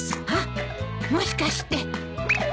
あっもしかして！